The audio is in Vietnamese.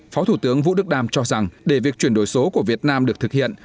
phó thủ tướng vũ đức đam cho rằng để việc chuyển đổi số của việt nam được thực hiện